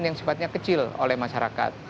yang sifatnya kecil oleh masyarakat